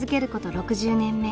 ６０年目。